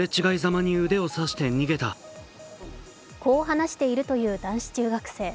こう離しているという男子中学生。